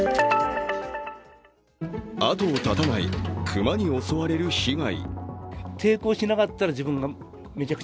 あとを絶たない熊に襲われる被害。